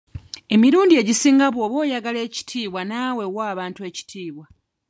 Emirundi egisinga bw'oba oyagala ekitiibwa naawe wa abantu ekitiibwa.